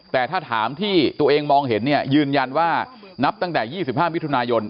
แต่ถ้าถามที่ตัวเองมองเห็นเนี่ยยืนยันว่านับตั้งแต่๒๕มิถุนายน